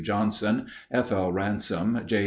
Johnson, F. L. Ransome, J.